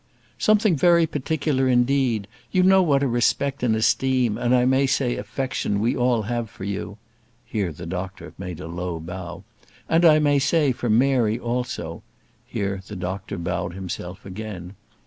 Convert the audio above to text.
"Something very particular indeed. You know what a respect and esteem, and I may say affection, we all have for you," here the doctor made a low bow "and I may say for Mary also;" here the doctor bowed himself again.